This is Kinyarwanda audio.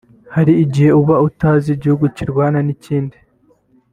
Hari igihe uba utazi igihugu kirwana n'ikindi